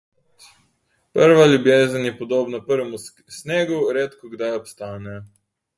Prva ljubezen je podobna prvemu snegu; redkokdaj obstane.